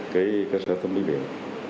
cái cảnh sát thẩm mỹ viện